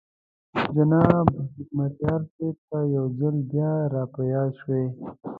جناب حکمتیار صاحب ته یو ځل بیا را په یاد شوې.